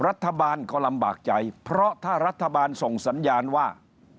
รัฐบาลก็ลำบากใจเพราะถ้ารัฐบาลส่งสัญญาณว่า